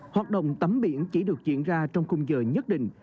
hoạt động tắm biển chỉ được diễn ra trong khung giờ nhất định